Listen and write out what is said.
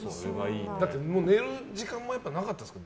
だって寝る時間もなかったですか？